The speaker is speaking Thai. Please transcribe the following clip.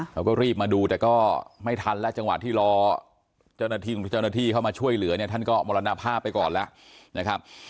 เขาก็รีบมาดูแต่ก็ไม่ทันแล้วจังหวะที่รอเจ้าหน้าที่เข้ามาช่วยเหลือเนี่ยท่านก็มรณภาพไปก่อนแล้วนะครับ